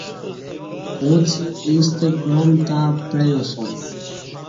اُݩڅ ییݩستہ گعام تہ پعیاسُوم